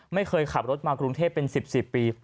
ไม่เคยขับรถมากรุงเทพเป็น๑๐ปี